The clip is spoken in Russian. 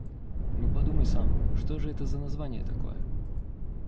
Ну подумай сам, что же это за название такое?